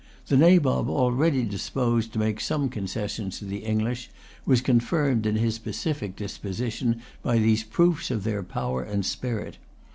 The Nabob, already disposed to make some concessions to the English, was confirmed in his pacific disposition by these proofs of their power and spirit.